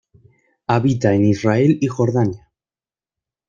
Habita en Israel y Jordania.